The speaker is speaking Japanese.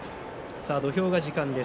土俵が時間です。